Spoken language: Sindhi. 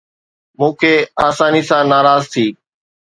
مون کي آساني سان ناراض ٿي